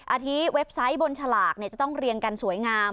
อาทิตย์เว็บไซต์บนฉลากจะต้องเรียงกันสวยงาม